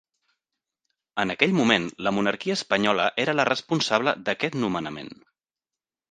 En aquell moment la monarquia espanyola era la responsable d'aquest nomenament.